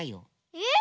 えっ？